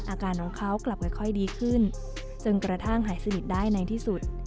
อาการของเขากลับค่อยดีขึ้นจนกระทั่งหายสนิทได้ในที่สุด